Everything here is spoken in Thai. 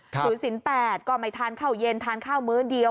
ถือศิลปก็ไม่ทานข้าวเย็นทานข้าวมื้อเดียว